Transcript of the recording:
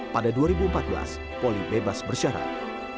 pada dua ribu empat belas poli bebas bersyarat